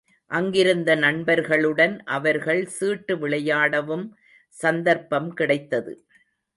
அங்கிருந்த நண்பர்களுடன் அவர்கள் சீட்டு விளையாடவும் சந்தர்ப்பம் கிடைத்தது.